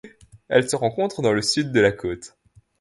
Elle se rencontre dans le Sud de la côte.